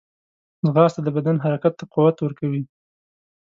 ځغاسته د بدن حرکت ته قوت ورکوي